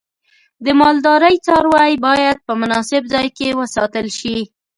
د مالدارۍ څاروی باید په مناسب ځای کې وساتل شي.